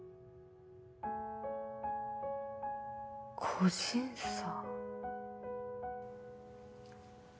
個人差。